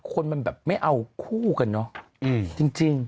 คนมันแบบไม่เอาคู่กันเนอะจริง